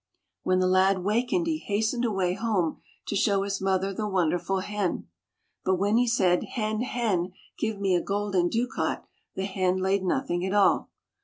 When the lad wakened he hastened away home to show his mother the wonderful hen. But when he said, "Hen, hen, give me a golden ducat," the hen laid nothing at all.